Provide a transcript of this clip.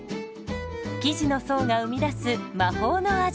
生地の層が生み出す魔法の味。